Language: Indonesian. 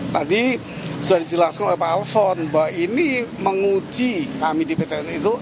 tadi sudah dijelaskan oleh pak alfon bahwa ini menguji kami di ptn itu